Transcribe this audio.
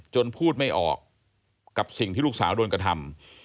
พูดไม่ออกกับสิ่งที่ลูกสาวโดนกระทำ